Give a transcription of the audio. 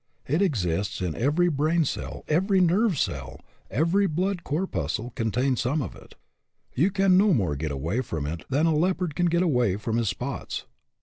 It exists in every brain cell, every nerve cell; every blood corpuscle contains some of it. You can no more get away from it than a leopard can get away from his spots.